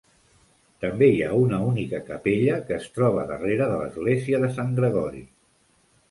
També hi ha una única capella que es troba darrere de l'església de Sant Gregori.